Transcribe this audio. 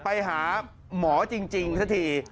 ไปหาหมอจริงสักที